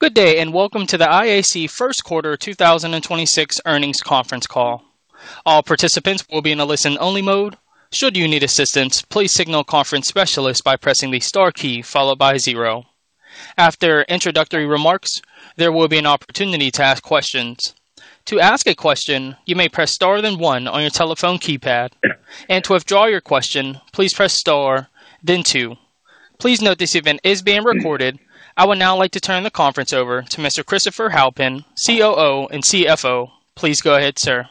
Good day, and welcome to the IAC first quarter 2026 earnings conference call. I would now like to turn the conference over to Mr. Christopher Halpin, COO and CFO. Please go ahead, sir.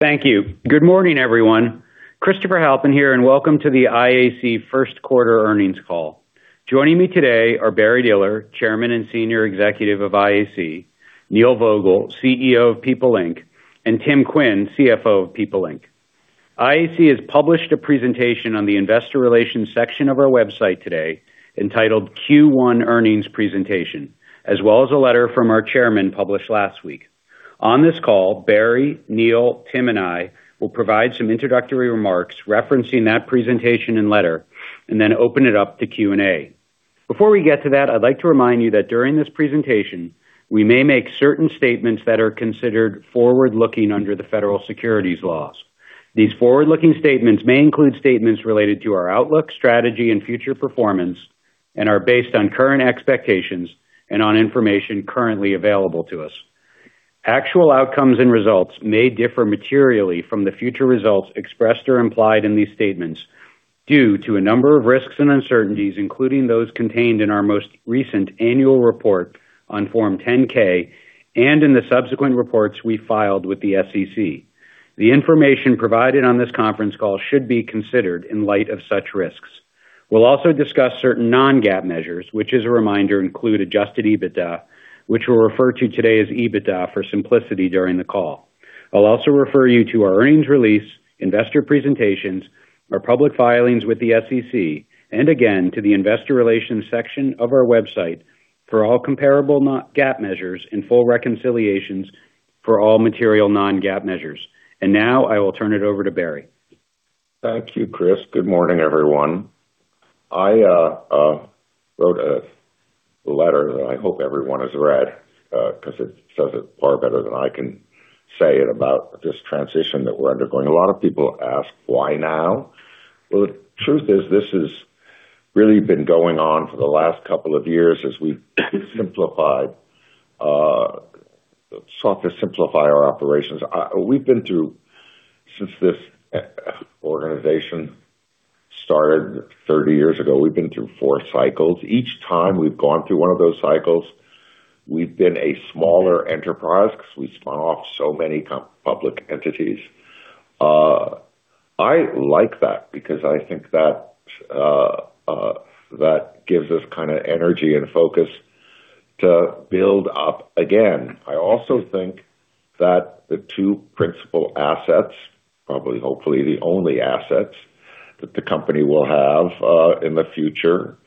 Thank you. Good morning, everyone. Christopher Halpin here, and welcome to the IAC first quarter earnings call. Joining me today are Barry Diller, Chairman and Senior Executive of IAC, Neil Vogel, CEO of People Inc., and Tim Quinn CFO of People Inc. IAC has published a presentation on the investor relations section of our website today entitled Q1 Earnings Presentation, as well as a letter from our Chairman published last week. On this call, Barry, Neil, Christopher, and I will provide some introductory remarks referencing that presentation and letter and then open it up to Q&A. Before we get to that, I'd like to remind you that during this presentation, we may make certain statements that are considered forward-looking under the federal securities laws. These forward-looking statements may include statements related to our outlook, strategy, and future performance and are based on current expectations and on information currently available to us. Actual outcomes and results may differ materially from the future results expressed or implied in these statements due to a number of risks and uncertainties, including those contained in our most recent annual report on Form 10-K and in the subsequent reports we filed with the SEC. The information provided on this conference call should be considered in light of such risks. We'll also discuss certain non-GAAP measures, which as a reminder, include adjusted EBITDA, which we'll refer to today as EBITDA for simplicity during the call. I'll also refer you to our earnings release, investor presentations, our public filings with the SEC, and again, to the investor relations section of our website for all comparable GAAP measures and full reconciliations for all material non-GAAP measures. Now I will turn it over to Barry. Thank you, Chris. Good morning, everyone. I wrote a letter that I hope everyone has read, 'cause it says it far better than I can say it about this transition that we're undergoing. A lot of people ask, "Why now?" Well, the truth is this has really been going on for the last couple of years as we've simplified, sought to simplify our operations. Since this organization started 30 years ago, we've been through four cycles. Each time we've gone through one of those cycles, we've been a smaller enterprise 'cause we spun off so many public entities. I like that because I think that gives us kinda energy and focus to build up again. I also think that the two principal assets, probably hopefully the only assets that the company will have, in the future,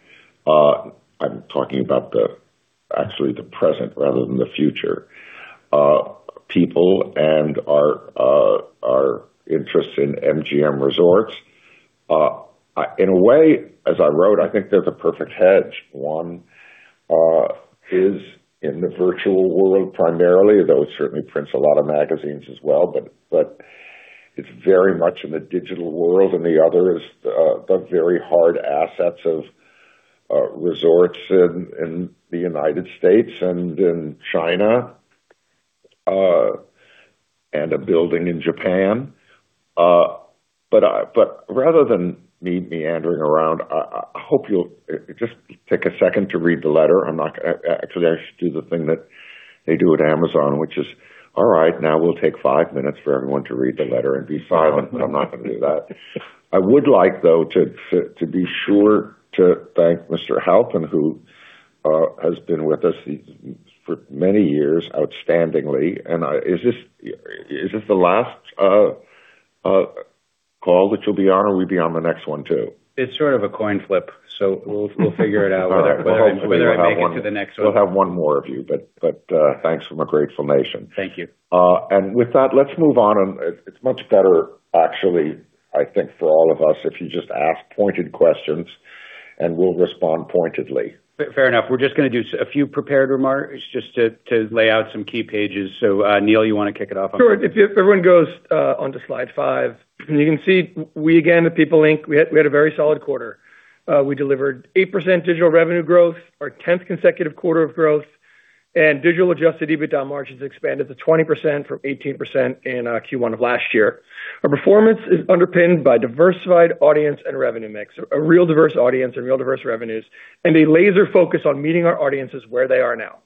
I'm talking about the actually the present rather than the future, People and our interest in MGM Resorts. In a way, as I wrote, I think they're the perfect hedge. One is in the virtual world primarily, though it certainly prints a lot of magazines as well, but it's very much in the digital world, and the other is the very hard assets of resorts in the United States and in China, and a building in Japan but rather than me meandering around, I hope you'll just take a second to read the letter. I'm not gonna actually, I should do the thing that they do at Amazon, which is, "All right, now we'll take five minutes for everyone to read the letter and be silent." I'm not gonna do that. I would like, though, to be sure to thank Mr. Halpin, who has been with us for many years outstandingly. Is this, is this the last call that you'll be on, or will you be on the next one too? It's sort of a coin flip, so we'll figure it out whether I make it to the next one. We'll have one more of you, but, thanks from a grateful nation. Thank you. With that, let's move on. It's much better, actually, I think, for all of us if you just ask pointed questions, and we'll respond pointedly. Fair enough. We're just gonna do a few prepared remarks just to lay out some key pages. Neil, you wanna kick it off? Sure. If everyone goes on to slide five, you can see we again, at People Inc., we had a very solid quarter. We delivered 8% digital revenue growth, our 10th consecutive quarter of growth, and digital adjusted EBITDA margins expanded to 20% from 18% in Q1 of last year. Our performance is underpinned by diversified audience and revenue mix. A real diverse audience and real diverse revenues, a laser focus on meeting our audiences where they are now.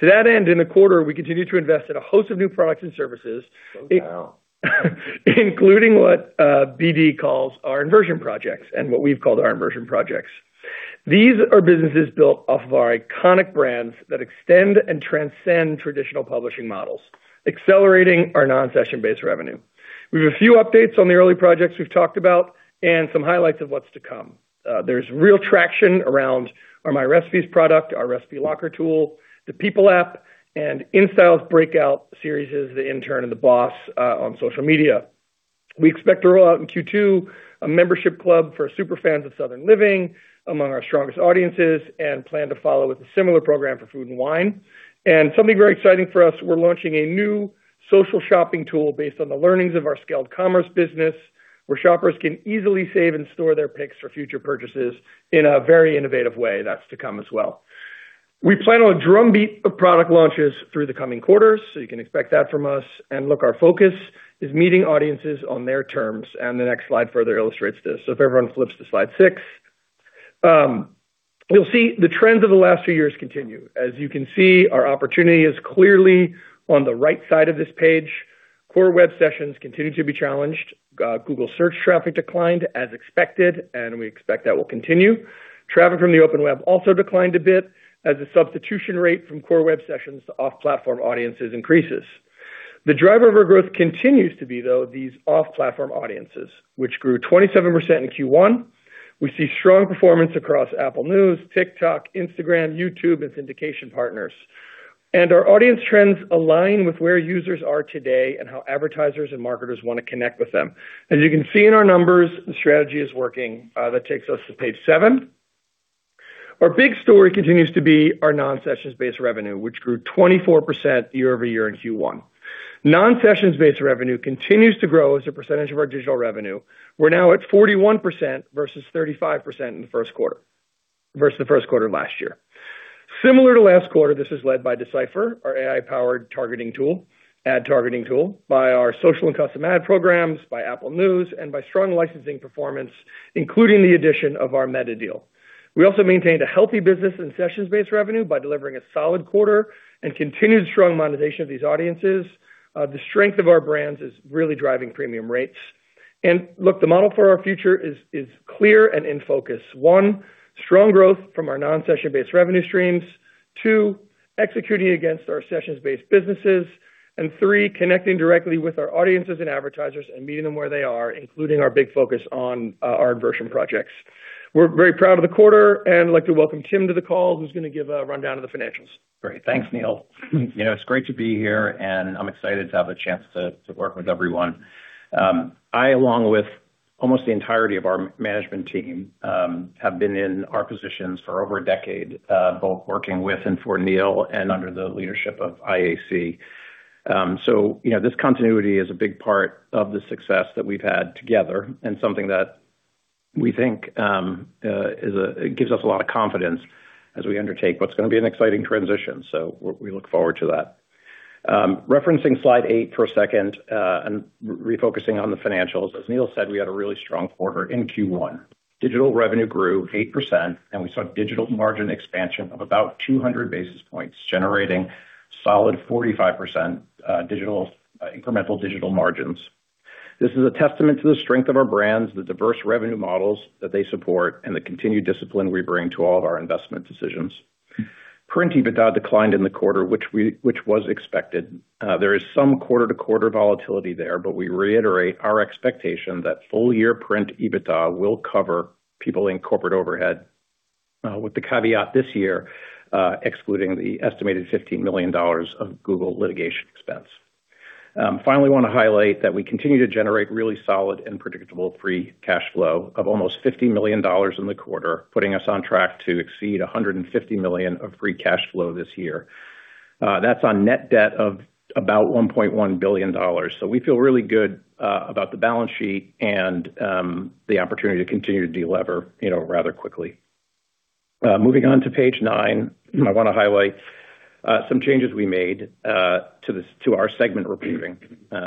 To that end, in the quarter, we continued to invest in a host of new products and services. Slow down. Including what BD calls our inversion projects and what we've called our inversion projects. These are businesses built off of our iconic brands that extend and transcend traditional publishing models, accelerating our non-session-based revenue. We have a few updates on the early projects we've talked about and some highlights of what's to come. There's real traction around our MyRecipes product, our Recipe Locker tool, the People app, and InStyle's breakout series, The Intern and The Boss on social media. We expect to roll out in Q2 a membership club for super fans of Southern Living among our strongest audiences, and plan to follow with a similar program for Food & Wine. Something very exciting for us, we're launching a new social shopping tool based on the learnings of our scaled commerce business, where shoppers can easily save and store their picks for future purchases in a very innovative way that's to come as well. We plan on a drumbeat of product launches through the coming quarters, so you can expect that from us. Look, our focus is meeting audiences on their terms, and the next slide further illustrates this. If everyone flips to slide six. You'll see the trends of the last few years continue. As you can see, our opportunity is clearly on the right side of this page. Core web sessions continue to be challenged. Google Search traffic declined as expected, and we expect that will continue. Traffic from the open web also declined a bit as the substitution rate from core web sessions to off-platform audiences increases. The driver of our growth continues to be, though, these off-platform audiences, which grew 27% in Q1. We see strong performance across Apple News, TikTok, Instagram, YouTube, and syndication partners. Our audience trends align with where users are today and how advertisers and marketers want to connect with them. As you can see in our numbers, the strategy is working, that takes us to page 7. Our big story continues to be our non-sessions-based revenue, which grew 24% year-over-year in Q1. Non-sessions-based revenue continues to grow as a percentage of our digital revenue. We're now at 41% versus 35% in the first quarter versus the first quarter of last year. Similar to last quarter, this is led by D/Cipher, our AI-powered targeting tool, ad targeting tool, by our social and custom ad programs, by Apple News, and by strong licensing performance, including the addition of our Meta deal. We also maintained a healthy business in sessions-based revenue by delivering a solid quarter and continued strong monetization of these audiences. The strength of our brands is really driving premium rates. Look, the model for our future is clear and in focus. One, strong growth from our non-session-based revenue streams. Two, executing against our sessions-based businesses. Three, connecting directly with our audiences and advertisers and meeting them where they are, including our big focus on our inversion projects. We're very proud of the quarter and I'd like to welcome Tim to the call, who's gonna give a rundown of the financials. Great. Thanks, Neil. You know, it's great to be here, and I'm excited to have a chance to work with everyone. I, along with almost the entirety of our management team, have been in our positions for over a decade, both working with and for Neil and under the leadership of IAC. You know, this continuity is a big part of the success that we've had together and something that we think gives us a lot of confidence as we undertake what's gonna be an exciting transition so we look forward to that. Referencing slide eight for a second, and refocusing on the financials. As Neil said, we had a really strong quarter in Q1. Digital revenue grew 8%, and we saw digital margin expansion of about 200 basis points, generating solid 45% digital incremental digital margins. This is a testament to the strength of our brands, the diverse revenue models that they support, and the continued discipline we bring to all of our investment decisions. Print EBITDA declined in the quarter, which was expected. There is some quarter-to-quarter volatility there, but we reiterate our expectation that full-year print EBITDA will cover People Inc. overhead, with the caveat this year, excluding the estimated $15 million of Google litigation expense. Finally, wanna highlight that we continue to generate really solid and predictable free cash flow of almost $50 million in the quarter, putting us on track to exceed $150 million of free cash flow this year, that's on net debt of about $1.1 billion so we feel really good about the balance sheet and the opportunity to continue to delever, you know, rather quickly. Moving on to page nine, I wanna highlight some changes we made to our segment reporting.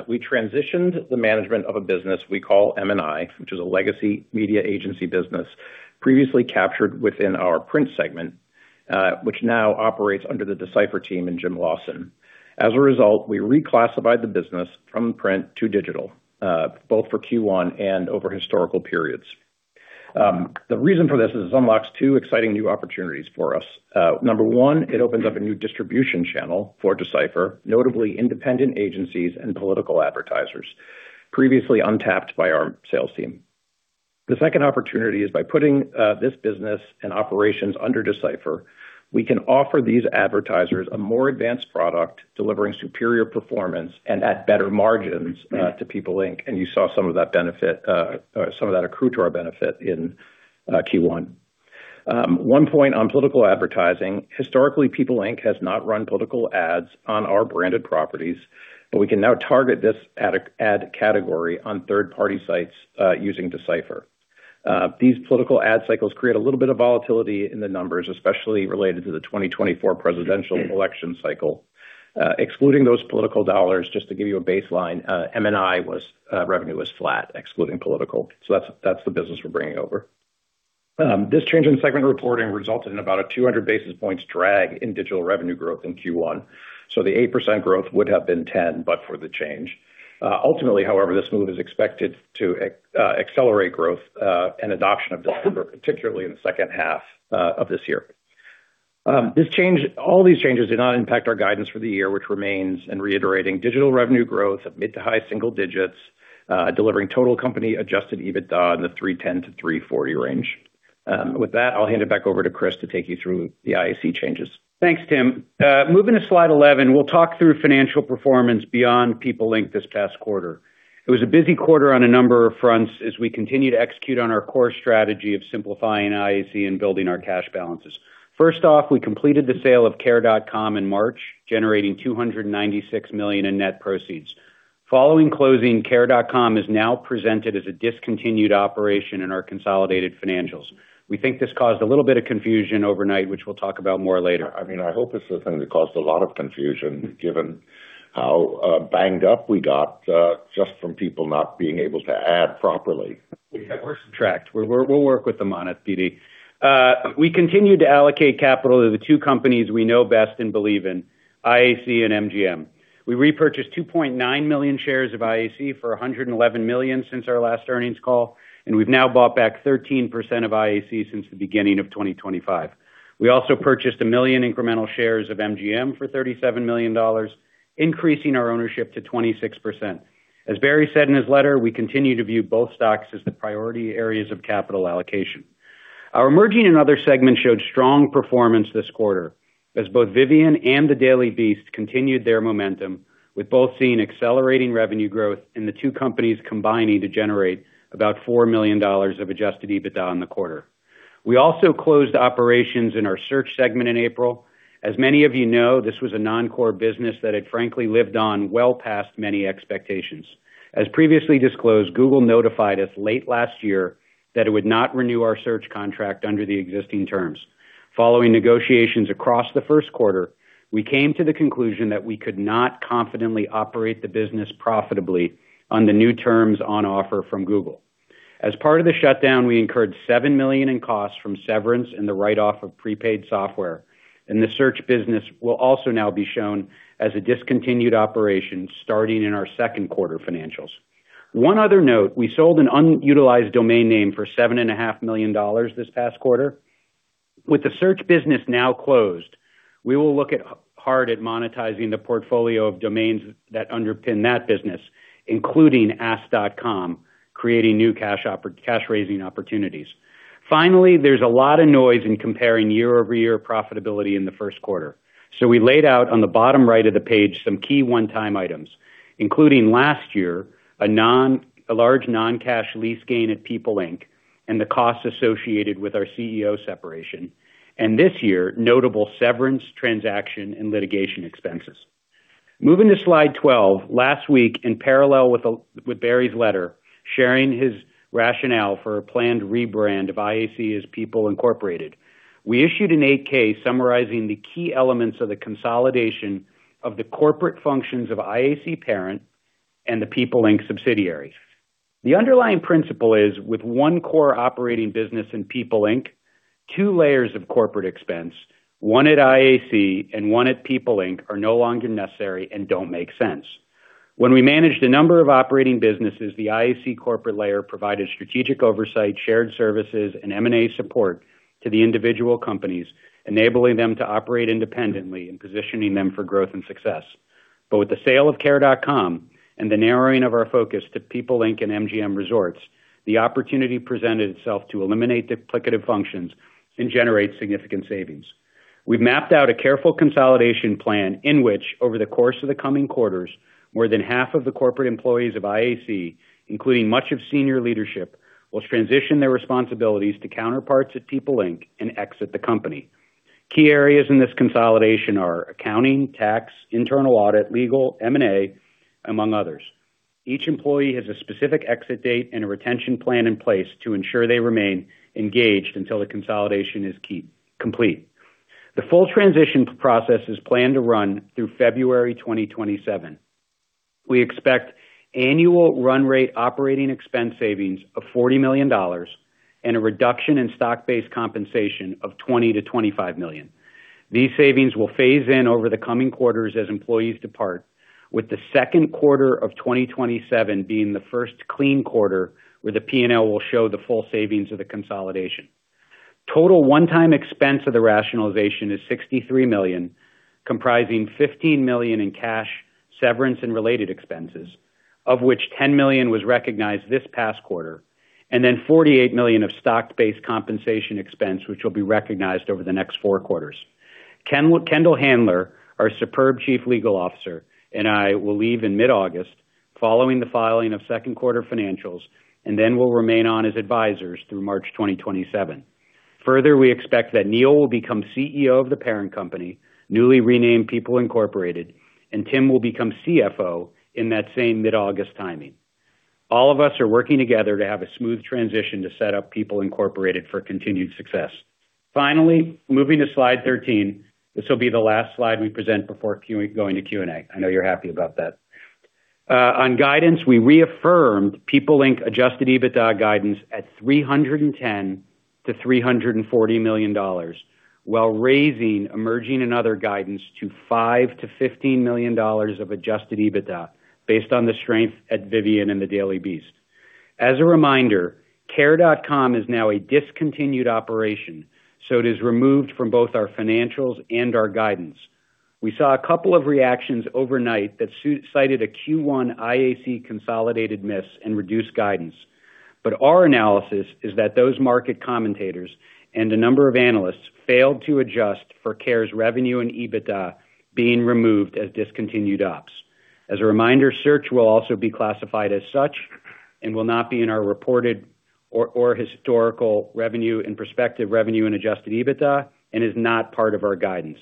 We transitioned the management of a business we call M&I, which is a legacy media agency business previously captured within our print segment, which now operates under the D/Cipher team and Jim Lawson. As a result, we reclassified the business from print to digital, both for Q1 and over historical periods. The reason for this is it unlocks two exciting new opportunities for us. Number one, it opens up a new distribution channel for D/Cipher, notably independent agencies and political advertisers, previously untapped by our sales team. The second opportunity is by putting this business and operations under D/Cipher, we can offer these advertisers a more advanced product, delivering superior performance and at better margins to People Inc. You saw some of that benefit, or some of that accrue to our benefit in Q1. One point on political advertising. Historically, People Inc., has not run political ads on our branded properties, but we can now target this ad category on third-party sites using D/Cipher. These political ad cycles create a little bit of volatility in the numbers, especially related to the 2024 presidential election cycle. Excluding those political dollars, just to give you a baseline, M&I was revenue was flat, excluding political. That's the business we're bringing over. This change in segment reporting resulted in about a 200 basis points drag in digital revenue growth in Q1. The 8% growth would have been 10, but for the change. Ultimately, however, this move is expected to accelerate growth and adoption of D/Cipher, particularly in the second half of this year. All these changes did not impact our guidance for the year, which remains in reiterating digital revenue growth of mid to high single digits, delivering total company adjusted EBITDA in the $310-$340 range. With that, I'll hand it back over to Chris to take you through the IAC changes. Thanks, Tim. moving to slide 11, we'll talk through financial performance beyond People Inc. this past quarter. It was a busy quarter on a number of fronts as we continue to execute on our core strategy of simplifying IAC and building our cash balances. First off, we completed the sale of Care.com in March, generating $296 million in net proceeds. Following closing, Care.com is now presented as a discontinued operation in our consolidated financials. We think this caused a little bit of confusion overnight, which we'll talk about more later. I mean, I hope it's the thing that caused a lot of confusion given how banged up we got just from people not being able to add properly. Yeah. Subtract. We'll work with them on it, BD. We continue to allocate capital to the two companies we know best and believe in, IAC and MGM. We repurchased 2.9 million shares of IAC for $111 million since our last earnings call. We've now bought back 13% of IAC since the beginning of 2025. We also purchased 1 million incremental shares of MGM for $37 million, increasing our ownership to 26%. As Barry said in his letter, we continue to view both stocks as the priority areas of capital allocation. Our emerging and other segment showed strong performance this quarter as both Vivian and The Daily Beast continued their momentum, with both seeing accelerating revenue growth and the two companies combining to generate about $4 million of adjusted EBITDA in the quarter. We also closed operations in our search segment in April. As many of you know, this was a non-core business that had frankly lived on well past many expectations. As previously disclosed, Google notified us late last year that it would not renew our search contract under the existing terms. Following negotiations across the first quarter, we came to the conclusion that we could not confidently operate the business profitably on the new terms on offer from Google. As part of the shutdown, we incurred $7 million in costs from severance and the write-off of prepaid software, and the search business will also now be shown as a discontinued operation starting in our second quarter financials. One other note, we sold an unutilized domain name for $7.5 million this past quarter. With the search business now closed, we will look hard at monetizing the portfolio of domains that underpin that business, including Ask.com, creating new cash-raising opportunities. There's a lot of noise in comparing year-over-year profitability in the first quarter. We laid out on the bottom right of the page some key one-time items, including last year, a large non-cash lease gain at People Inc., And the costs associated with our CEO separation. This year, notable severance, transaction, and litigation expenses. Moving to slide 12. Last week, in parallel with Barry's letter, sharing his rationale for a planned rebrand of IAC as People Inc., we issued an 8-K summarizing the key elements of the consolidation of the corporate functions of IAC parent and the People Inc., subsidiaries. The underlying principle is with one core operating business in People Inc., two layers of corporate expense, one at IAC and one at People Inc., are no longer necessary and don't make sense. When we managed a number of operating businesses, the IAC corporate layer provided strategic oversight, shared services, and M&A support to the individual companies, enabling them to operate independently and positioning them for growth and success. With the sale of Care.com and the narrowing of our focus to People Inc. and MGM Resorts, the opportunity presented itself to eliminate duplicative functions and generate significant savings. We've mapped out a careful consolidation plan in which, over the course of the coming quarters, more than half of the corporate employees of IAC, including much of senior leadership, will transition their responsibilities to counterparts at People Inc. and exit the company. Key areas in this consolidation are accounting, tax, internal audit, legal, M&A, among others. Each employee has a specific exit date and a retention plan in place to ensure they remain engaged until the consolidation is complete. The full transition process is planned to run through February 2027. We expect annual run rate operating expense savings of $40 million and a reduction in stock-based compensation of $20 million-$25 million. These savings will phase in over the coming quarters as employees depart, with the second quarter of 2027 being the first clean quarter where the P&L will show the full savings of the consolidation. Total one-time expense of the rationalization is $63 million, comprising $15 million in cash, severance, and related expenses, of which $10 million was recognized this past quarter, and then $48 million of stock-based compensation expense, which will be recognized over the next four quarters. Kendall Handler, our superb Chief Legal Officer, and I will leave in mid-August following the filing of second quarter financials, and then we'll remain on as advisors through March 2027. We expect that Neil will become CEO of the parent company, newly renamed People Inc., and Tim will become CFO in that same mid-August timing. All of us are working together to have a smooth transition to set up People Inc., for continued success. Finally, moving to slide 13. This will be the last slide we present before going to Q&A. I know you're happy about that. On guidance, we reaffirmed People Inc., Adjusted EBITDA guidance at $310 million-$340 million while raising, emerging, and other guidance to $5 million-$15 million of adjusted EBITDA based on the strength at Vivian and The Daily Beast. As a reminder, Care.com is now a discontinued operation, so it is removed from both our financials and our guidance. We saw a couple of reactions overnight that cited a Q1 IAC consolidated miss and reduced guidance. Our analysis is that those market commentators and a number of analysts failed to adjust for Care's revenue and EBITDA being removed as discontinued ops. As a reminder, Search will also be classified as such and will not be in our reported or historical revenue and prospective revenue and adjusted EBITDA and is not part of our guidance.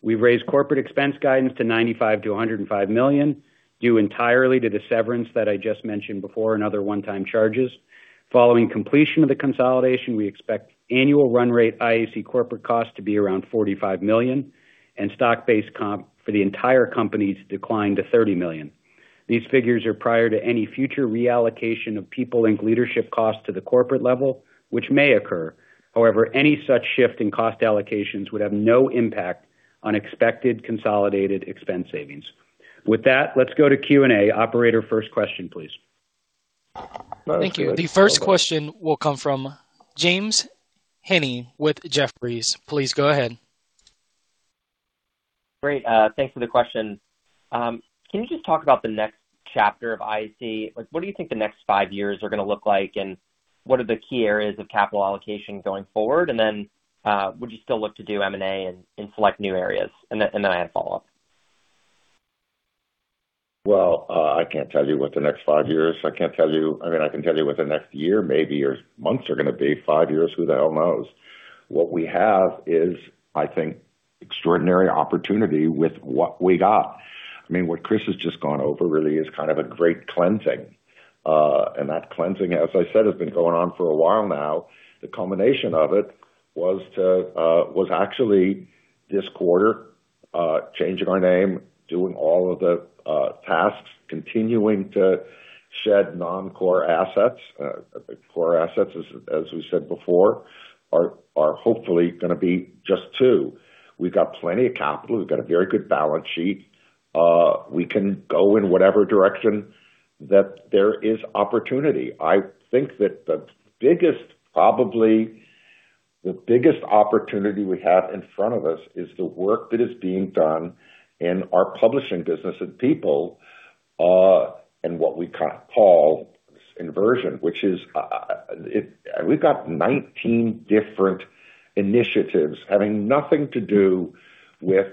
We've raised corporate expense guidance to $95 million-$105 million, due entirely to the severance that I just mentioned before and other one-time charges. Following completion of the consolidation, we expect annual run rate IAC corporate costs to be around $45 million and stock-based comp for the entire company to decline to $30 million. These figures are prior to any future reallocation of people and leadership costs to the corporate level, which may occur. However, any such shift in cost allocations would have no impact on expected consolidated expense savings. With that, let's go to Q&A. Operator, first question, please. Thank you. The first question will come from James Heaney with Jefferies. Please go ahead. Great. Thanks for the question. Can you just talk about the next chapter of IAC? Like, what do you think the next five years are gonna look like, and what are the key areas of capital allocation going forward? Would you still look to do M&A and select new areas? I have follow-up. Well, I can't tell you what the next five years I mean, I can tell you what the next year maybe or months are gonna be. Five years, who the hell knows? What we have is, I think, extraordinary opportunity with what we got. I mean, what Chris has just gone over really is kind of a great cleansing and that cleansing, as I said, has been going on for a while now. The culmination of it was to, was actually this quarter, changing our name, doing all of the tasks, continuing to shed non-core assets. The core assets, as we said before, are hopefully gonna be just two. We've got plenty of capital. We've got a very good balance sheet. We can go in whatever direction that there is opportunity. I think that the biggest, probably the biggest opportunity we have in front of us is the work that is being done in our publishing business and People, and what we call this inversion, which is- we've got 19 different initiatives having nothing to do with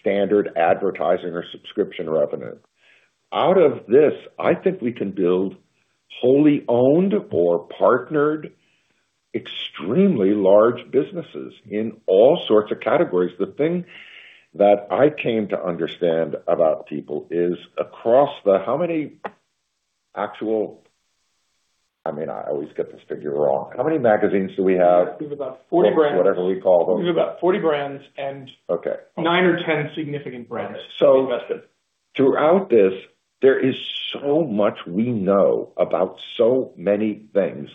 standard advertising or subscription revenue. Out of this, I think we can build wholly owned or partnered extremely large businesses in all sorts of categories. The thing that I came to understand about People is across the, how many actual, I mean, I always get this figure wrong. How many magazines do we have? We have about 40 brands. Books, whatever we call them. We have about 40 brands. Okay. Nine or 10 significant brands to invest in. Throughout this, there is so much we know about so many things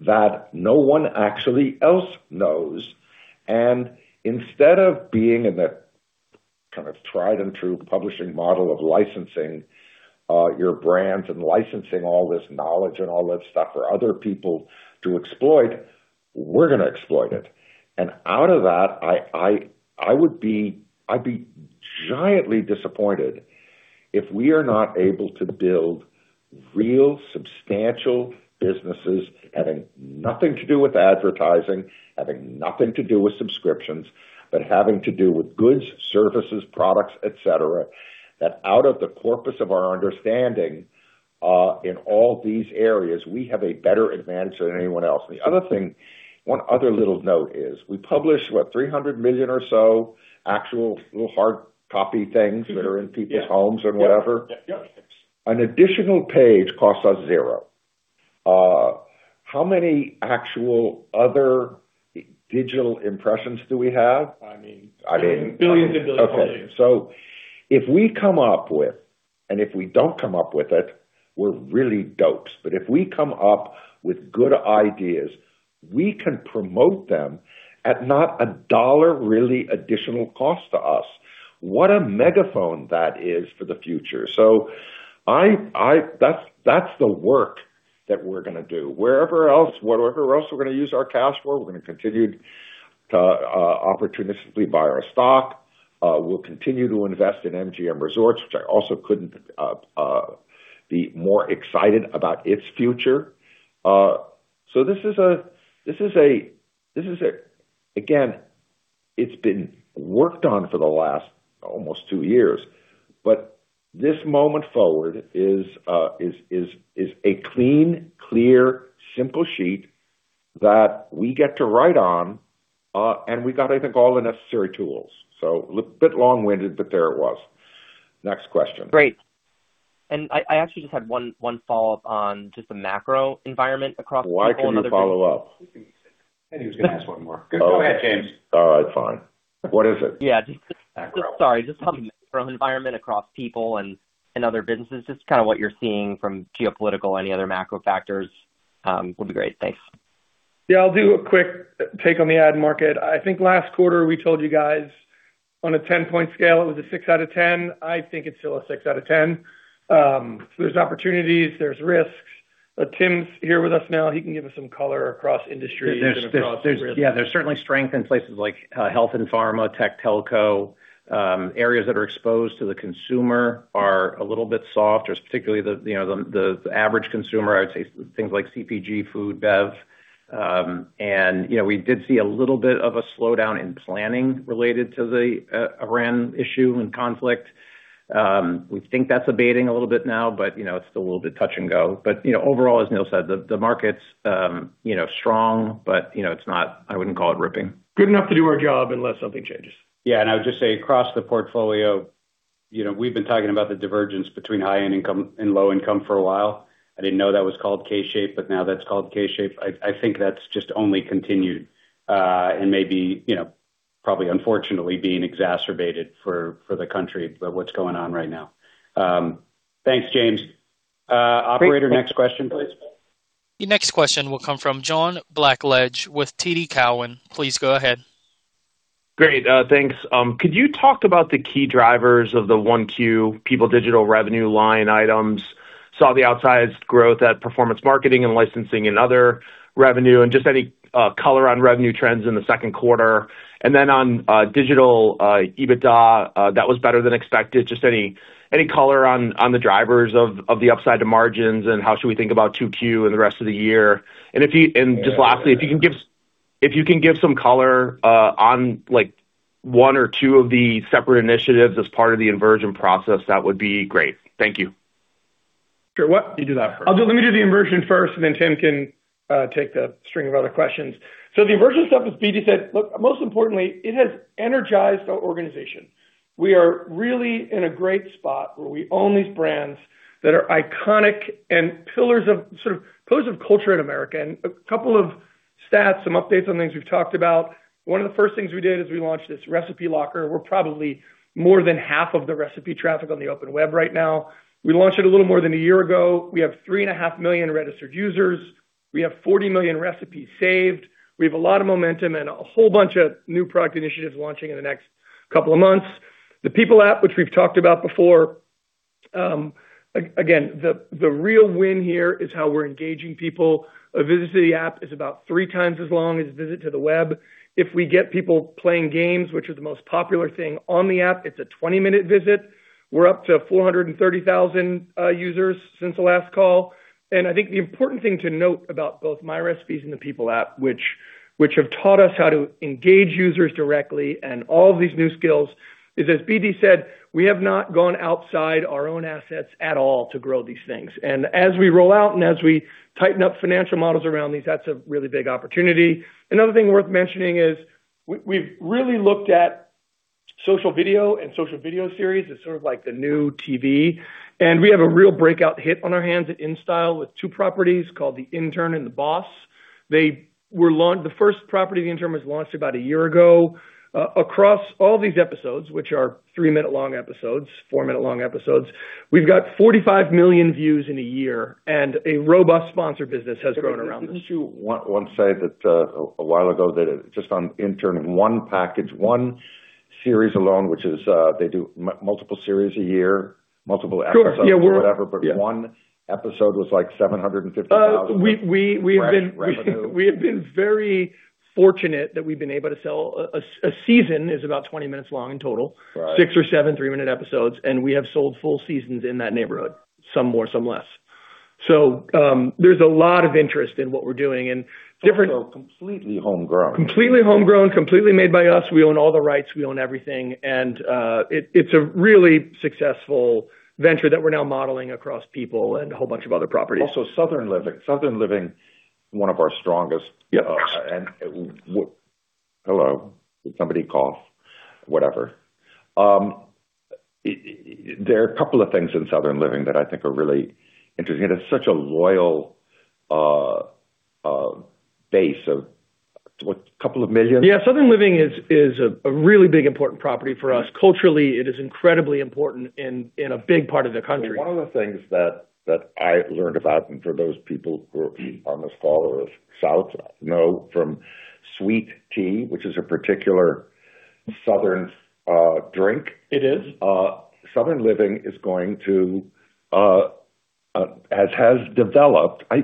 that no one actually else knows. Instead of being in a kind of tried and true publishing model of licensing, your brands and licensing all this knowledge and all that stuff for other people to exploit, we're gonna exploit it. Out of that, I would be, I'd be giantly disappointed if we are not able to build real substantial businesses having nothing to do with advertising, having nothing to do with subscriptions, but having to do with goods, services, products, etc., and that out of the corpus of our understanding, in all these areas, we have a better advantage than anyone else. The other thing, one other little note is we publish, what? $300 million or so actual little hard copy things that are in people's homes or whatever. Yeah. Yep. An additional page costs us $0. How many actual other digital impressions do we have? I mean- I mean- Billions and billions of pages. Okay. If we come up with, and if we don't come up with it, we're really dopes. If we come up with good ideas, we can promote them at not a dollar really additional cost to us. What a megaphone that is for the future, that's the work that we're gonna do. Wherever else, whatever else we're gonna use our cash for, we're gonna continue to opportunistically buy our stock. We'll continue to invest in MGM Resorts, which I also couldn't be more excited about its future. This is a- again, it's been worked on for the last almost two years. This moment forward is a clean, clear, simple sheet that we get to write on, and we got, I think, all the necessary tools so bit long-winded, but there it was. Next question. Great. I actually just had one follow-up on just the macro environment across the board. Why can't you follow up? I think he was gonna ask one more. Okay. Go ahead, James. All right, fine. What is it? Yeah, just- Macro. Sorry, just on the macro environment across People and other businesses. Just kind of what you're seeing from geopolitical, any other macro factors, would be great. Thanks. Yeah, I'll do a quick take on the ad market. I think last quarter we told you guys on a 10-point scale, it was a six out of 10. I think it's still a six out of 10. There's opportunities, there's risks. Tim's here with us now. He can give us some color across industries and across the risk. There's yeah, there's certainly strength in places like health and pharma, tech, telco. Areas that are exposed to the consumer are a little bit soft. There's particularly the, you know, the average consumer, I would say things like CPG, food, bev. You know, we did see a little bit of a slowdown in planning related to the Iran issue and conflict. We think that's abating a little bit now, you know, it's still a little bit touch and go. You know, overall, as Neil said, the market's, you know, strong, you know, it's not I wouldn't call it ripping. Good enough to do our job unless something changes. Yeah. I would just say across the portfolio, you know, we've been talking about the divergence between high-end income and low income for a while. I didn't know that was called K-shaped, but now that's called K-shaped. I think that's just only continued, and maybe, you know, probably unfortunately being exacerbated for the country by what's going on right now. Thanks, James. Operator, next question, please. The next question will come from John Blackledge with TD Cowen. Please go ahead. Great. Thanks. Could you talk about the key drivers of the 1Q People digital revenue line items? Saw the outsized growth at performance marketing and licensing and other revenue, just any color on revenue trends in the second quarter. On digital EBITDA, that was better than expected. Just any color on the drivers of the upside to margins, how should we think about 2Q and the rest of the year? Just lastly, if you can give some color on, like one or two of the separate initiatives as part of the inversion process, that would be great. Thank you. Sure. Why don't you do that first? Let me do the inversion first and Tim can take the string of other questions. The inversion stuff, as BD said, look, most importantly, it has energized our organization. We are really in a great spot where we own these brands that are iconic and pillars of culture in America. A couple of stats, some updates on things we've talked about. One of the first things we did is we launched this Recipe Locker. We're probably more than half of the recipe traffic on the open web right now. We launched it a little more than a year ago. We have 3.5 million registered users. We have 40 million recipes saved. We have a lot of momentum and a whole bunch of new product initiatives launching in the next couple of months. The People app, which we've talked about before, again, the real win here is how we're engaging people. A visit to the app is about three times as long as a visit to the web. If we get people playing games, which is the most popular thing on the app, it's a 20-minute visit, we're up to 430,000 users since the last call. I think the important thing to note about both MyRecipes and the People app, which have taught us how to engage users directly and all of these new skills, is, as BD said, we have not gone outside our own assets at all to grow these things. As we roll out and as we tighten up financial models around these, that's a really big opportunity. Another thing worth mentioning is we've really looked at social video and social video series as sort of like the new TV, and we have a real breakout hit on our hands at InStyle with two properties called The Intern and The Boss. The first property, The Intern, was launched about a year ago. Across all these episodes, which are three-minute long episodes, four-minute long episodes, we've got 45 million views in a year, and a robust sponsor business has grown around this. Didn't you once say that a while ago that just on The Intern, one package, one series alone, which is they do multiple series a year, multiple episodes or whatever? Sure. Yeah. One episode was like 750,000. Uh, we, we have been- In fresh revenue. We have been very fortunate that we've been able to sell a season is about 20 minutes long in total. Right. Six or seven, three-minute episodes, and we have sold full seasons in that neighborhood, some more, some less. There's a lot of interest in what we're doing. Completely homegrown. Completely homegrown, completely made by us. We own all the rights. We own everything. It's a really successful venture that we're now modeling across People and a whole bunch of other properties. Also, Southern Living. Southern Living, one of our strongest. Yeah. Hello? Did somebody cough? Whatever. There are a couple of things in Southern Living that I think are really interesting, and it's such a loyal, base of what? A couple of million. Yeah. Southern Living is a really big important property for us. Culturally, it is incredibly important in a big part of the country. One of the things that I learned about, and for those people who aren't as follower of Southern Living know from sweet tea, which is a particular Southern drink. It is.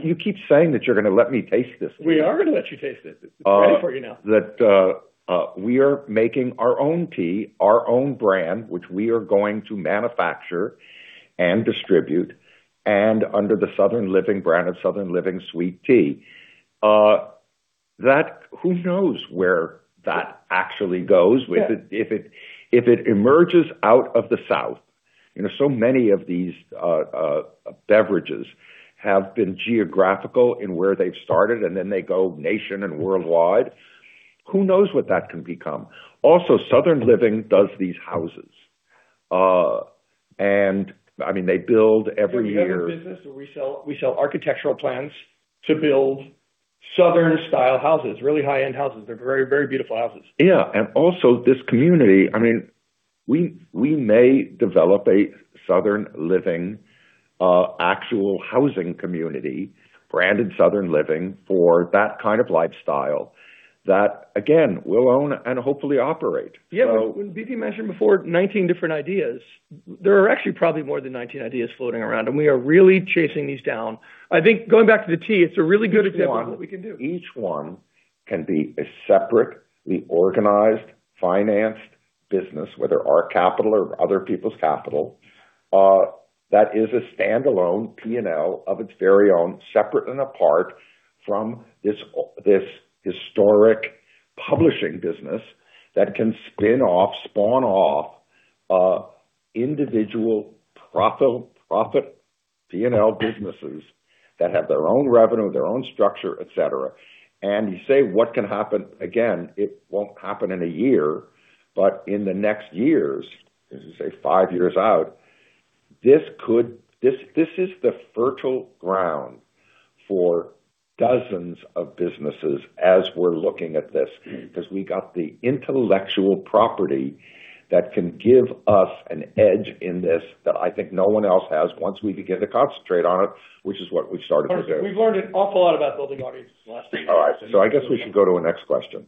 You keep saying that you're gonna let me taste this thing. We are gonna let you taste it. It's ready for you now. That, we are making our own tea, our own brand, which we are going to manufacture and distribute and under the Southern Living brand of Southern Living Sweet Tea. Who knows where that actually goes. Yeah. If it emerges out of the South. You know, so many of these beverages have been geographical in where they've started. They go nation and worldwide. Who knows what that can become? Also, Southern Living does these houses. I mean, they build every year. They have a business where we sell architectural plans to build Southern style houses, really high-end houses. They're very beautiful houses. Yeah. Also this community, I mean, we may develop a Southern Living actual housing community branded Southern Living for that kind of lifestyle that again, we'll own and hopefully operate. Yeah. When BD mentioned before 19 different ideas, there are actually probably more than 19 ideas floating around, and we are really chasing these down. I think going back to Turo, it's a really good example of what we can do. Each one can be a separately organized, financed business, whether our capital or other people's capital, that is a standalone P&L of its very own, separate and apart from this historic publishing business that can spin off, spawn off, individual profit P&L businesses that have their own revenue, their own structure, etc., and you say, what can happen? Again, it won't happen in a year, but in the next years, as you say, five years out, this is the fertile ground for dozens of businesses as we're looking at this because we got the intellectual property that can give us an edge in this that I think no one else has once we begin to concentrate on it, which is what we've started to do. We've learned an awful lot about building audiences in the last 10 years. All right. I guess we should go to our next question.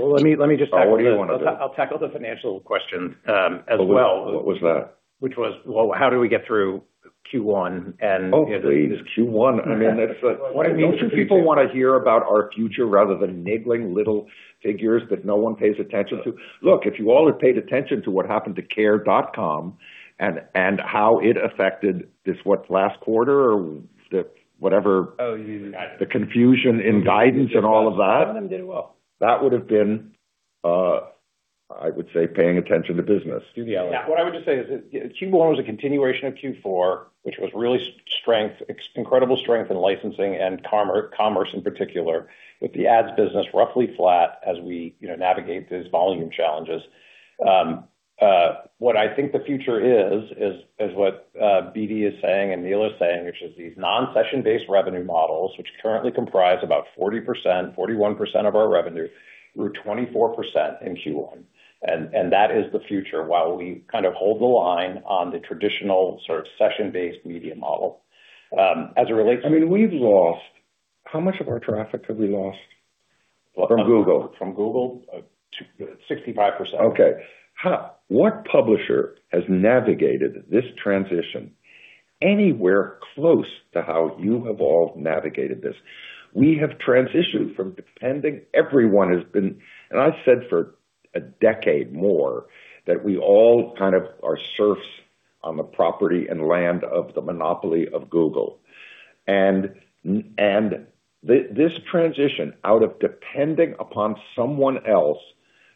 Well, let me just tackle. What do you want to do? I'll tackle the financial question, as well. What was that? Which was, well, how do we get through Q1. Oh, please. Q1. I mean. Well, I mean- Don't you people want to hear about our future rather than niggling little figures that no one pays attention to? Look, if you all had paid attention to what happened to Care.com and how it affected this, what, last quarter or the. Oh, you- The confusion in guidance and all of that. Some of them did well. That would have been, I would say, paying attention to business. Do the L.A. Yeah. What I would just say is Q1 was a continuation of Q4, which was really strength, incredible strength in licensing and commerce in particular, with the ads business roughly flat as we, you know, navigate these volume challenges. What I think the future is what BD is saying and Neil is saying, which is these non-session based revenue models, which currently comprise about 40%, 41% of our revenue, were 24% in Q1. That is the future while we kind of hold the line on the traditional sort of session-based media model. As it relates to- I mean, we've lost how much of our traffic have we lost from Google? From Google? 65%. Okay. What publisher has navigated this transition anywhere close to how you have all navigated this? We have transitioned from depending. I've said for a decade more that we all kind of are surfs on the property and land of the monopoly of Google. This transition out of depending upon someone else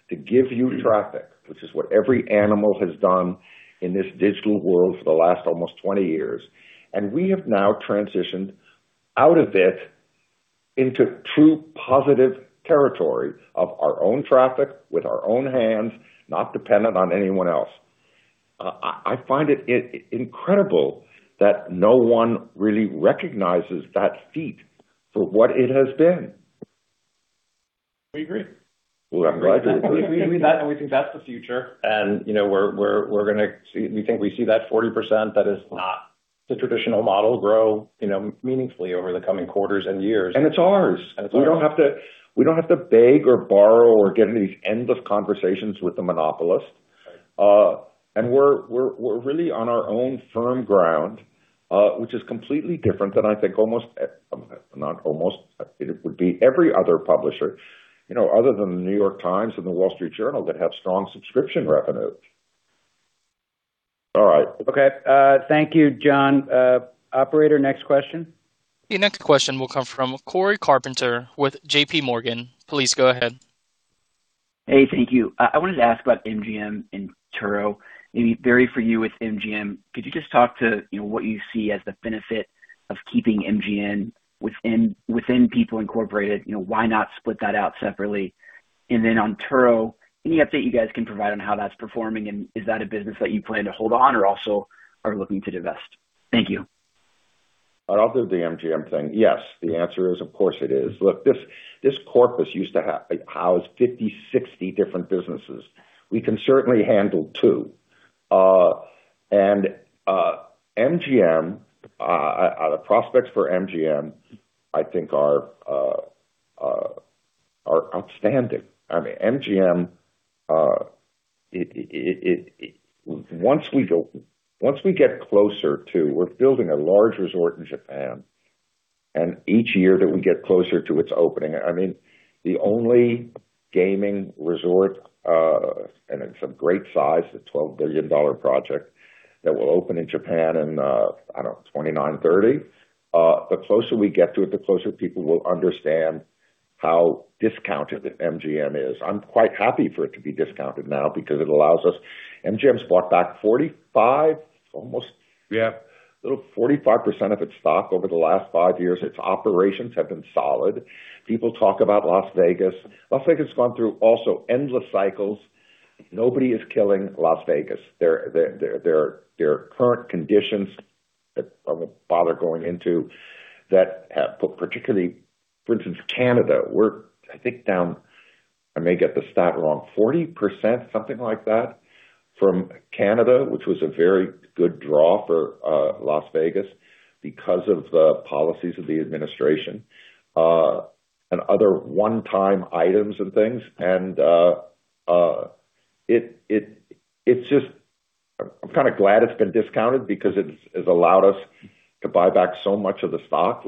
to give you traffic, which is what every animal has done in this digital world for the last almost 20 years, and we have now transitioned out of it into true positive territory of our own traffic, with our own hands, not dependent on anyone else. I find it incredible that no one really recognizes that feat for what it has been. We agree. Well, I'm glad you agree. We think that's the future. You know, we're gonna see We think we see that 40% that is not the traditional model grow, you know, meaningfully over the coming quarters and years. It's ours. It's ours. We don't have to beg or borrow or get in these endless conversations with the monopolist. Right. We're really on our own firm ground, which is completely different than I think almost, not almost, it would be every other publisher, you know, other than The New York Times and The Wall Street Journal that have strong subscription revenues. All right. Okay. Thank you, John. Operator, next question. The next question will come from Cory Carpenter with JPMorgan. Please go ahead. Hey, thank you. I wanted to ask about MGM and Turo. Maybe, Barry, for you with MGM, could you just talk to, you know, what you see as the benefit of keeping MGM within People Inc.? You know, why not split that out separately? Then on Turo, any update you guys can provide on how that's performing, and is that a business that you plan to hold on or also are looking to divest? Thank you. I'll do the MGM thing. Yes. The answer is, of course it is. Look, this corpus used to house 50, 60 different businesses. We can certainly handle two. MGM, the prospects for MGM, I think are outstanding. I mean, MGM, it, once we get closer to We're building a large resort in Japan, and each year that we get closer to its opening, I mean, the only gaming resort, and it's a great size, it's a $12 billion project, that will open in Japan in, I don't know, 2029, 2030. The closer we get to it, the closer people will understand how discounted MGM is. I'm quite happy for it to be discounted now because it allows us MGM's bought back 45%. Yeah Little 45% of its stock over the last five years. Its operations have been solid. People talk about Las Vegas. Las Vegas has gone through also endless cycles. Nobody is killing Las Vegas. There are current conditions that I won't bother going into that have Particularly, for instance, Canada, we're, I think, down I may get the stat wrong, 40%, something like that, from Canada, which was a very good draw for Las Vegas because of the policies of the administration and other one-time items and things. I'm kind of glad it's been discounted because it's allowed us to buy back so much of the stock,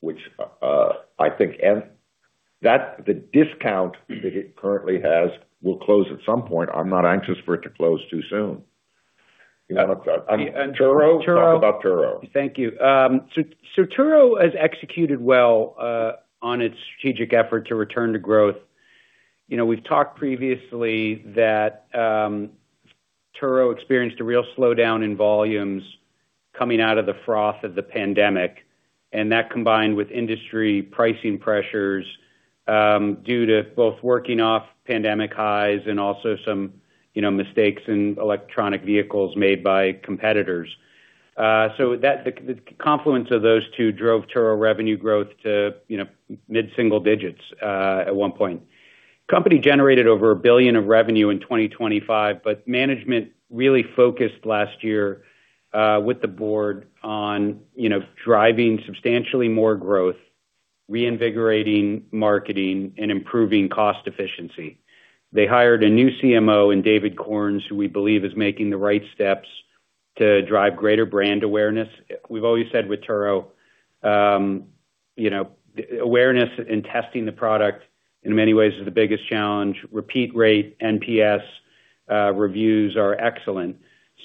which I think. That the discount that it currently has will close at some point. I'm not anxious for it to close too soon. You know, Turo. Talk about Turo. Thank you. So Turo has executed well on its strategic effort to return to growth. You know, we've talked previously that Turo experienced a real slowdown in volumes coming out of the froth of the pandemic, and that combined with industry pricing pressures due to both working off pandemic highs and also some, you know, mistakes in electronic vehicles made by competitors so that the confluence of those two drove Turo revenue growth to, you know, mid-single digits at one point. Company generated over $1 billion of revenue in 2025 but management really focused last year with the board on, you know, driving substantially more growth, reinvigorating marketing, and improving cost efficiency. They hired a new CMO in David Corns, who we believe is making the right steps to drive greater brand awareness. We've always said with Turo, you know, awareness and testing the product in many ways is the biggest challenge. Repeat rate, NPS, reviews are excellent.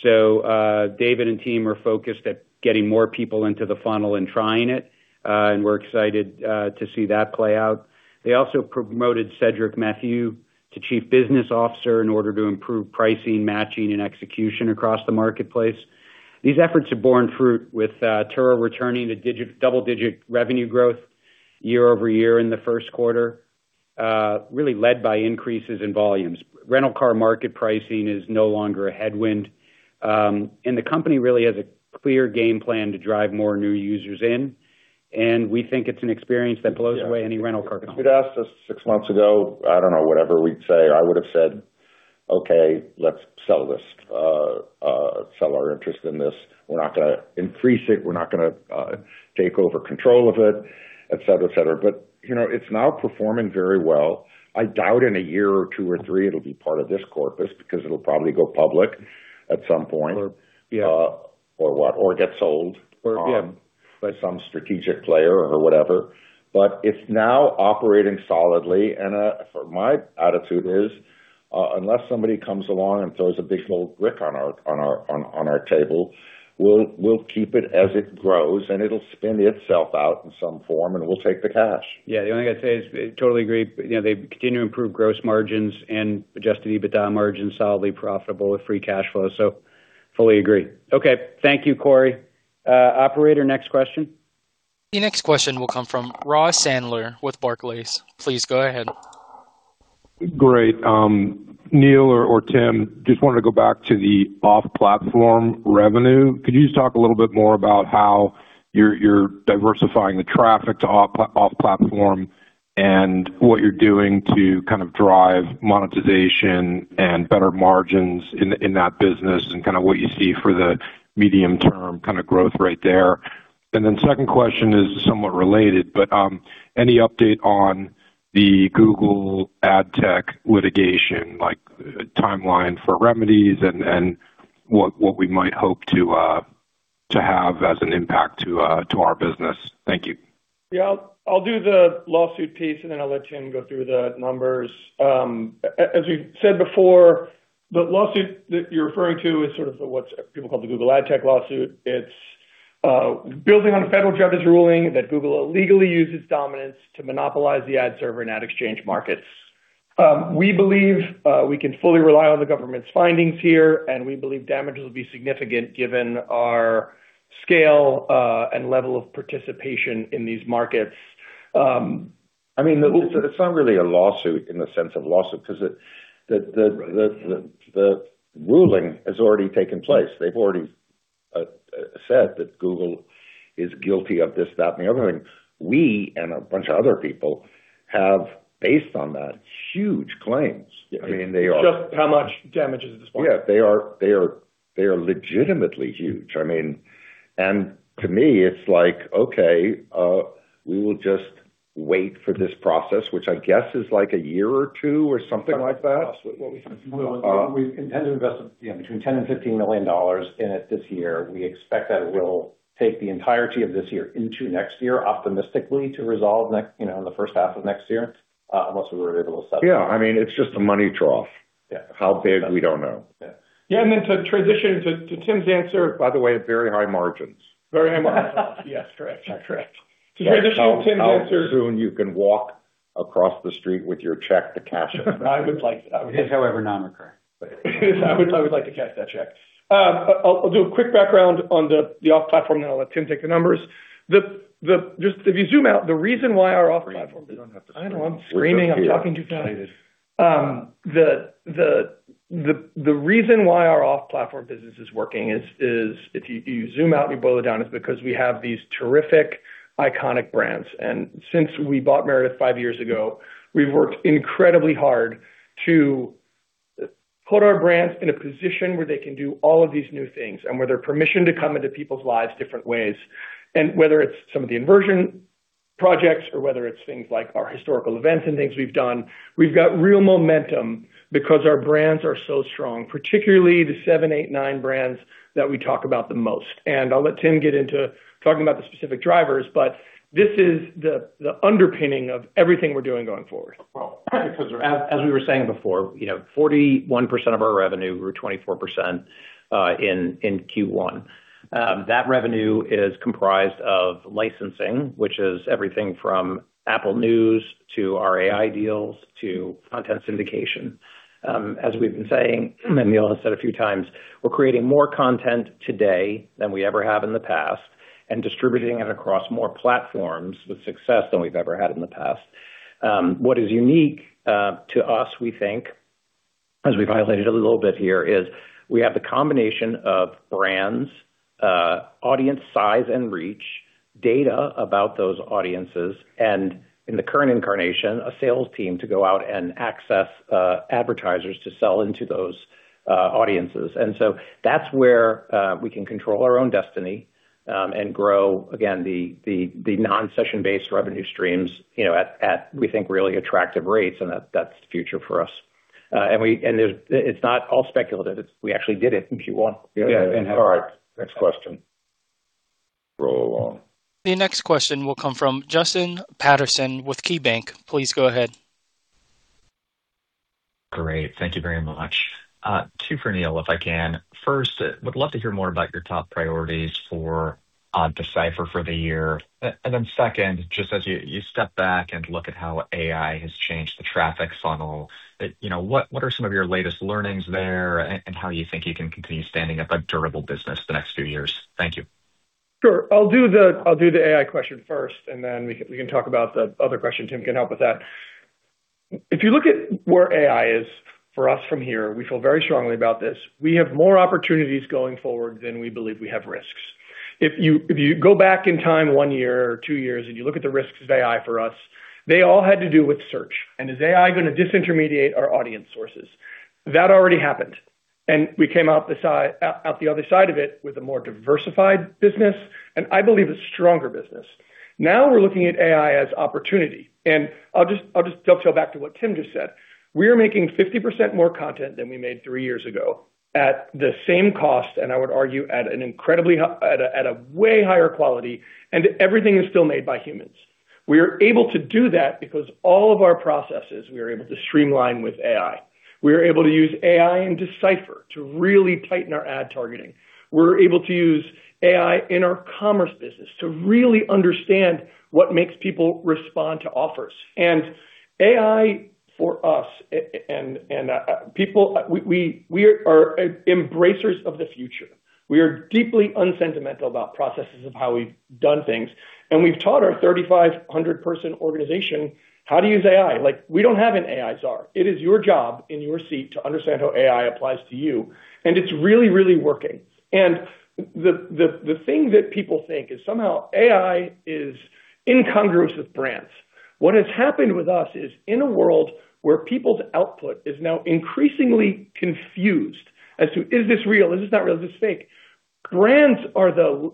David and team are focused at getting more people into the funnel and trying it, and we're excited to see that play out. They also promoted Cedric Mathieu to Chief Business Officer in order to improve pricing, matching, and execution across the marketplace. These efforts have borne fruit with Turo returning to double-digit revenue growth year-over-year in the first quarter, really led by increases in volumes. Rental car market pricing is no longer a headwind. The company really has a clear game plan to drive more new users in, and we think it's an experience that blows away any rental car company. If you'd asked us six months ago, I don't know, whatever we'd say, I would've said, "Okay, let's sell this. Sell our interest in this. We're not gonna increase it. We're not gonna take over control of it," etc. You know, it's now performing very well. I doubt in a year or two or three it'll be part of this corpus because it'll probably go public at some point- Yeah. What? Yeah. ...y some strategic player or whatever. It's now operating solidly and my attitude is, unless somebody comes along and throws a big old brick on our table, we'll keep it as it grows, and it'll spin itself out in some form, and we'll take the cash. Yeah. The only thing I'd say is totally agree. You know, they continue to improve gross margins and adjusted EBITDA margins solidly profitable with free cash flow so fully agree. Okay. Thank you, Cory. Operator, next question. The next question will come from Ross Sandler with Barclays. Please go ahead. Great. Neil or Tim, just wanted to go back to the off-platform revenue. Could you just talk a little bit more about how you're diversifying the traffic to off-platform and what you're doing to kind of drive monetization and better margins in that business and kind of what you see for the medium-term kind of growth right there? Second question is somewhat related, but any update on the Google Ad Tech litigation, like timeline for remedies and what we might hope to have as an impact to our business? Thank you. Yeah. I'll do the lawsuit piece, and then I'll let Tim go through the numbers. As we've said before, the lawsuit that you're referring to is sort of what people call the Google Ad Tech lawsuit. It's building on a federal judge's ruling that Google illegally used its dominance to monopolize the ad server and ad exchange markets. We believe we can fully rely on the government's findings here, and we believe damages will be significant given our scale and level of participation in these markets. I mean, it's not really a lawsuit in the sense of lawsuit because the ruling has already taken place. They've already said that Google is guilty of this, that, and the other thing. We and a bunch of other people have based on that huge claims. Just how much damage is this point? Yeah. They are legitimately huge. I mean to me, it's like, okay, we will just wait for this process, which I guess is like a year or two or something like that. We intend to invest, yeah, between $10 million and $15 million in it this year and we expect that it will take the entirety of this year into next year, optimistically, to resolve next, you know, in the first half of next year, unless we were able to settle. Yeah. I mean, it's just a money trough. Yeah. How big, we don't know. Yeah. To transition to Tim's answer. By the way, at very high margins. Very high margins. Yes, correct. Correct. To transition to Tim's answer. How soon you can walk across the street with your check to cash it. I would like that. Is however non-occurring. I would like to cash that check. I'll do a quick background on the off platform, then I'll let Tim take the numbers. Just if you zoom out, the reason why our off platform- You don't have to scream. I know I'm screaming. I'm talking too fast. The reason why our off-platform business is working is if you zoom out and you boil it down, it's because we have these terrific iconic brands. Since we bought Meredith five years ago, we've worked incredibly hard to put our brands in a position where they can do all of these new things and where they're permissioned to come into people's lives different ways. Whether it's some of the inversion projects or whether it's things like our historical events and things we've done, we've got real momentum because our brands are so strong, particularly the seven, eight, nine brands that we talk about the most. I'll let Tim get into talking about the specific drivers, but this is the underpinning of everything we're doing going forward. Well, because as we were saying before, you know, 41% of our revenue or 24% in Q1, that revenue is comprised of licensing, which is everything from Apple News to our AI deals to content syndication. As we've been saying, and Neil has said a few times, we're creating more content today than we ever have in the past and distributing it across more platforms with success than we've ever had in the past. What is unique to us, we think, as we highlighted a little bit here, is we have the combination of brands, audience size and reach, data about those audiences, and in the current incarnation, a sales team to go out and access advertisers to sell into those audiences. That's where we can control our own destiny and grow again, the non-session-based revenue streams, you know, at, we think, really attractive rates, and that's the future for us. It's not all speculative. It's we actually did it in Q1. Yeah. All right. Next question. Roll along. The next question will come from Justin Patterson with KeyBanc. Please go ahead. Great. Thank you very much. Two for Neil, if I can. First, would love to hear more about your top priorities for D/Cipher for the year. Then second, just as you step back and look at how AI has changed the traffic funnel, you know, what are some of your latest learnings there and how you think you can continue standing up a durable business the next few years? Thank you. Sure. I'll do the AI question first and then we can talk about the other question. Tim can help with that. If you look at where AI is for us from here, we feel very strongly about this. We have more opportunities going forward than we believe we have risks. If you go back in time one year or two years and you look at the risks of AI for us, they all had to do with search. Is AI gonna disintermediate our audience sources? That already happened. We came out the other side of it with a more diversified business. I believe a stronger business. Now we're looking at AI as opportunity. I'll just dovetail back to what Tim just said. We are making 50% more content than we made three years ago at the same cost. I would argue at a way higher quality, and everything is still made by humans. We are able to do that because all of our processes we are able to streamline with AI. We are able to use AI in D/Cipher to really tighten our ad targeting. We're able to use AI in our commerce business to really understand what makes people respond to offers. AI for us and people, we are embracers of the future. We are deeply unsentimental about processes of how we've done things and we've taught our 3,500 person organization how to use AI. Like, we don't have an AI Czar. It is your job in your seat to understand how AI applies to you, it's really, really working. The thing that people think is somehow AI is incongruous with brands. What has happened with us is in a world where people's output is now increasingly confused as to, is this real? Is this not real? Is this fake? Brands are the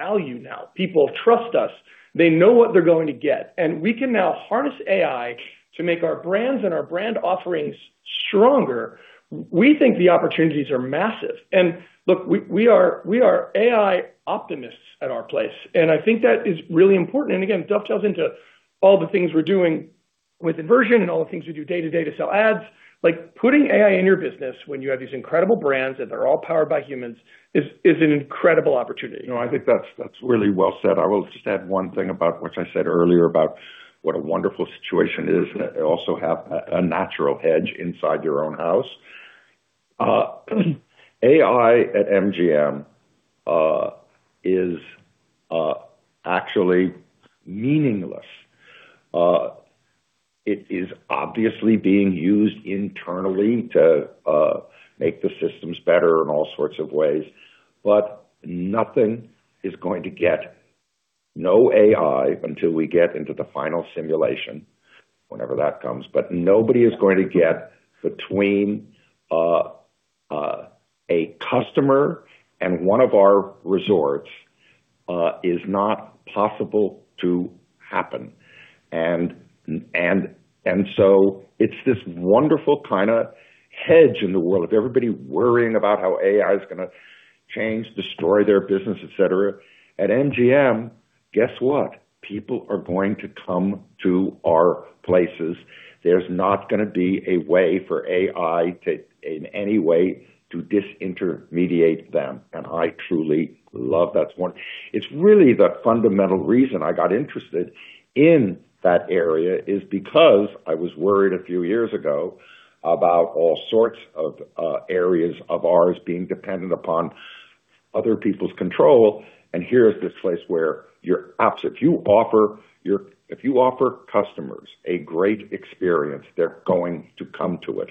value now. People trust us. They know what they're going to get, and we can now harness AI to make our brands and our brand offerings stronger. We think the opportunities are massive. Look, we are AI optimists at our place, and I think that is really important. Again, dovetails into all the things we're doing with inversion and all the things we do day-to-day to sell ads. Like, putting AI in your business when you have these incredible brands that are all powered by humans is an incredible opportunity. No, I think that's really well said. I will just add one thing about, which I said earlier, about what a wonderful situation it is to also have a natural hedge inside your own house. AI at MGM is actually meaningless. It is obviously being used internally to make the systems better in all sorts of ways, nothing is going to get no AI until we get into the final simulation, whenever that comes. Nobody is going to get between a customer and one of our resorts, is not possible to happen. It's this wonderful kind of hedge in the world of everybody worrying about how AI is gonna change, destroy their business, etc. At MGM, guess what. People are going to come to our places. There's not gonna be a way for AI to, in any way, to disintermediate them, and I truly love that one. It's really the fundamental reason I got interested in that area is because I was worried a few years ago about all sorts of areas of ours being dependent upon other people's control, and here is this place where you're opposite. If you offer customers a great experience, they're going to come to it.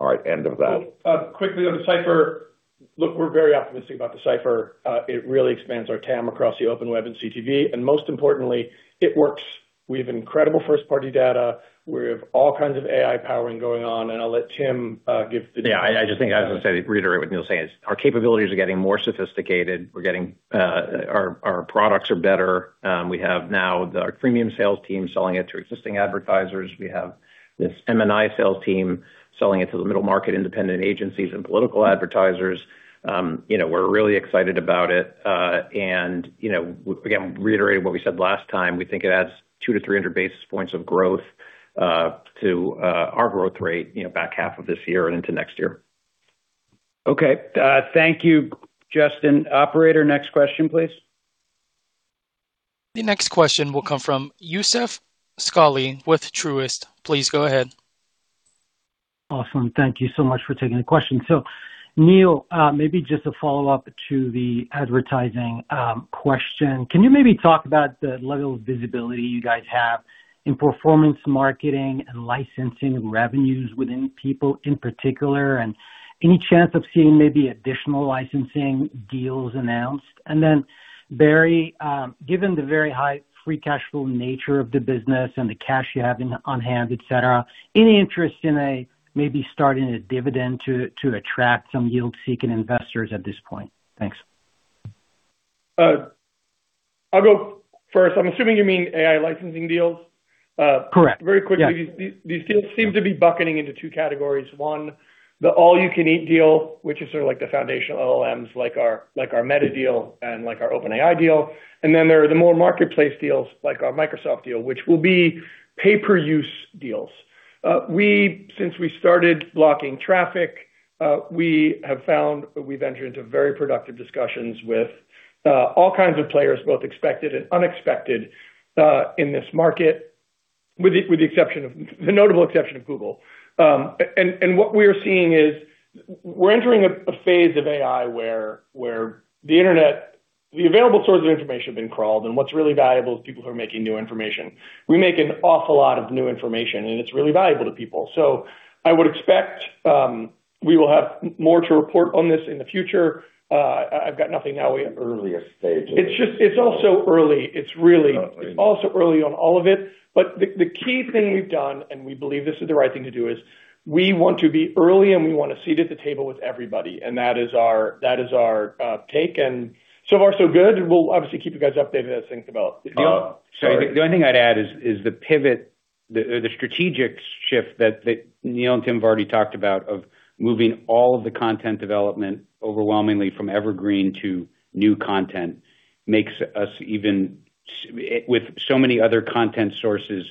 All right, end of that. Quickly on D/Cipher. Look, we're very optimistic about D/Cipher. It really expands our TAM across the open web and CTV, most importantly, it works. We have incredible first-party data. We have all kinds of AI powering going on. I'll let Tim give- I just think, as I said, reiterate what Neil saying is our capabilities are getting more sophisticated. We're getting our products are better. We have now the premium sales team selling it to existing advertisers. We have this M&I sales team selling it to the middle market, independent agencies and political advertisers. You know, we're really excited about it. You know, again, reiterating what we said last time, we think it adds 200-300 basis points of growth, to our growth rate, you know, back half of this year and into next year. Okay. Thank you, Justin. Operator, next question, please. The next question will come from Youssef Squali with Truist. Please go ahead. Awesome. Thank you so much for taking the question. Neil, maybe just a follow-up to the advertising question. Can you maybe talk about the level of visibility you guys have in performance marketing and licensing revenues within People in particular, and any chance of seeing maybe additional licensing deals announced? Barry, given the very high free cash flow nature of the business and the cash you have on-hand, et cetera, any interest in maybe starting a dividend to attract some yield-seeking investors at this point? Thanks. I'll go first. I'm assuming you mean AI licensing deals. Correct, yeah. Very quickly. These deals seem to be bucketing into two categories. One, the all-you-can-eat deal, which is sort of like the foundational LLMs like our Meta deal and like our OpenAI deal and then there are the more marketplace deals like our Microsoft deal, which will be pay-per-use deals. Since we started blocking traffic, we have found that we've entered into very productive discussions with all kinds of players, both expected and unexpected, in this market, with the notable exception of Google. What we are seeing is we're entering a phase of AI where the internet, the available sources of information have been crawled, and what's really valuable is people who are making new information. We make an awful lot of new information, and it's really valuable to people. I would expect, we will have more to report on this in the future. I've got nothing now. Earliest stages. It's just, it's all so early. Uh, I mean- It's all so early on all of it. The key thing we've done, and we believe this is the right thing to do, is we want to be early, and we want a seat at the table with everybody. That is our take. So far, so good. We'll obviously keep you guys updated as things develop. Neil. Sorry. The only thing I'd add is the pivot, the strategic shift that Neil and Tim have already talked about of moving all of the content development overwhelmingly from evergreen to new content makes us even with so many other content sources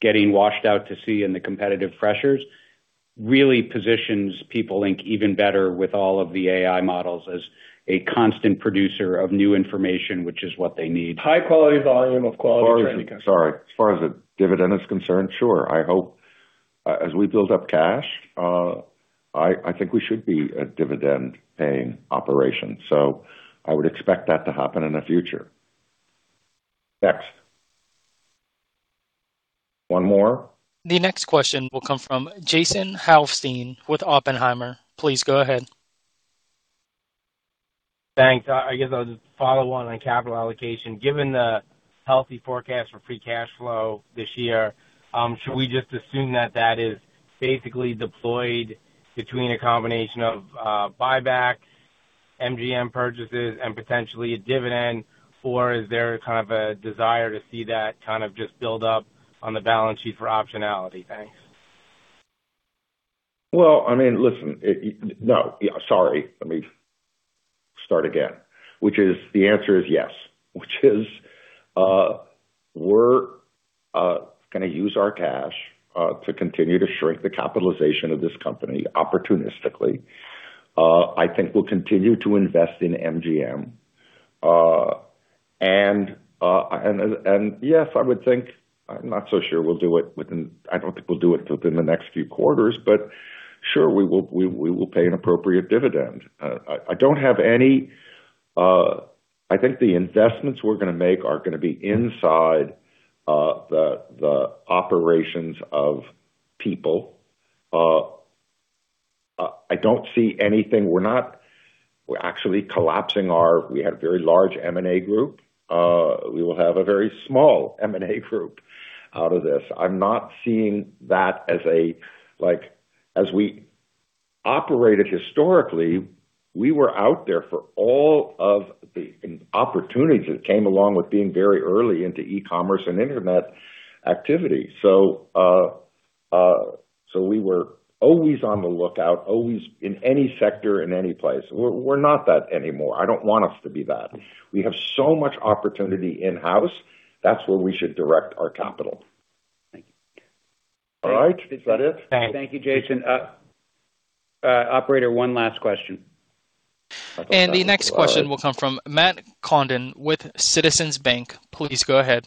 getting washed out to sea and the competitive pressures, really positions People Inc. even better with all of the AI models as a constant producer of new information, which is what they need. High-quality volume of quality trending content. As far as the dividend is concerned, sure. I hope, as we build up cash, I think we should be a dividend-paying operation. I would expect that to happen in the future. Next. One more. The next question will come from Jason Helfstein with Oppenheimer. Please go ahead. Thanks. I guess I'll just follow on capital allocation. Given the healthy forecast for free cash flow this year, should we just assume that that is basically deployed between a combination of buyback, MGM purchases, and potentially a dividend, or is there kind of a desire to see that kind of just build up on the balance sheet for optionality? Thanks. Well, I mean, listen. The answer is yes. We're gonna use our cash to continue to shrink the capitalization of this company opportunistically. I think we'll continue to invest in MGM. Yes, I don't think we'll do it within the next few quarters, but sure, we will pay an appropriate dividend. I don't have any. I think the investments we're gonna make are gonna be inside the operations of People. I don't see anything. We're actually collapsing our. We had a very large M&A group. We will have a very small M&A group out of this. I'm not seeing that as a, like, as we operated historically, we were out there for all of the opportunities that came along with being very early into e-commerce and internet activity. We were always on the lookout, always in any sector, in any place. We're not that anymore. I don't want us to be that. We have so much opportunity in-house. That's where we should direct our capital. Thank you. All right. Is that it? Thank you, Jason. operator, one last question. The next question will come from Matt Condron with Citizens Bank. Please go ahead.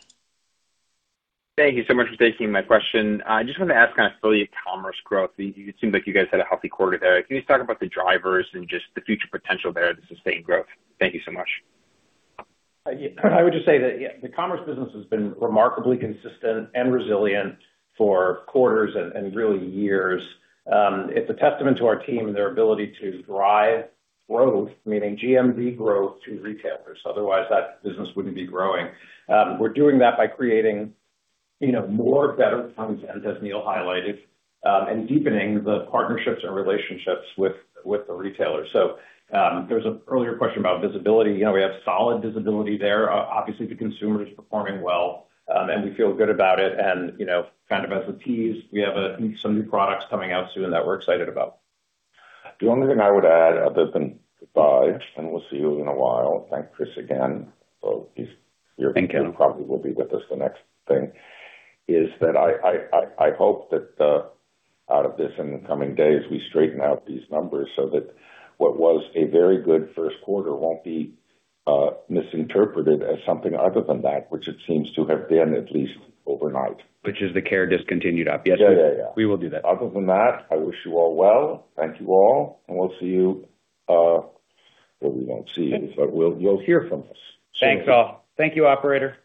Thank you so much for taking my question. I just wanted to ask on affiliate commerce growth. It seems like you guys had a healthy quarter there. Can you just talk about the drivers and just the future potential there to sustain growth? Thank you so much. I would just say that, yeah, the commerce business has been remarkably consistent and resilient for quarters and really years. It's a testament to our team, their ability to drive growth, meaning GMV growth to retailers. Otherwise, that business wouldn't be growing. We're doing that by creating, you know, more better content, as Neil highlighted, and deepening the partnerships and relationships with the retailers. There was an earlier question about visibility. You know, we have solid visibility there. Obviously, the consumer is performing well, and we feel good about it. You know, kind of as a tease, we have some new products coming out soon that we're excited about. The only thing I would add, other than goodbye, and we'll see you in a while. I think Chris again- Thank you. ...he probably will be with us the next thing, is that I hope that, out of this in the coming days, we straighten out these numbers so that what was a very good first quarter won't be misinterpreted as something other than that, which it seems to have been, at least overnight. Which is the Care discontinued op. Yes, sir. Yeah, yeah. We will do that. Other than that, I wish you all well. Thank you all, and we'll see you. Well, we won't see you, but you'll hear from us soon. Thanks, all. Thank you, operator.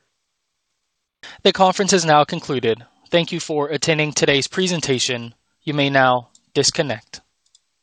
The conference is now concluded. Thank you for attending today's presentation. You may now disconnect.